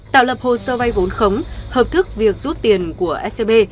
tạo lập hồ sơ vay vốn khống hợp thức việc rút tiền của scb